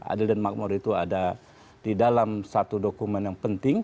adil dan makmur itu ada di dalam satu dokumen yang penting